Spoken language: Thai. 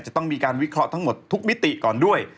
จะต้องมีการวิเคราะห์ทั้งหมดทุกมิติก่อนด้วย